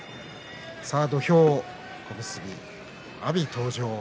土俵、小結・阿炎登場